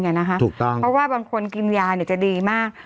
เพราะว่าบางคนกินยาจะดีมาก